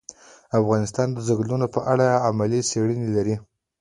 افغانستان د ځنګلونه په اړه علمي څېړنې لري.